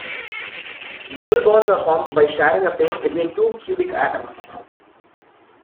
Double bonds are formed by sharing a face between two cubic atoms.